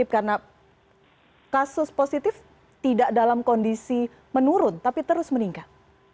karena kasus positif tidak dalam kondisi menurun tapi terus meningkat